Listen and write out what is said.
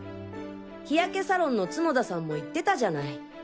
日焼けサロンの角田さんも言ってたじゃない。